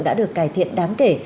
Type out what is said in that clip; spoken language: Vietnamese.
đã được cải thiện đáng kể